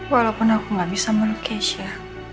walaupun aku gak bisa melukis ya